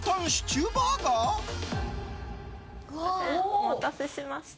お待たせしました。